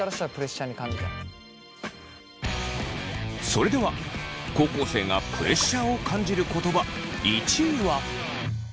それでは高校生がプレッシャーを感じる言葉１位は。